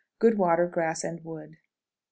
Good water, grass, and wood. 20.00.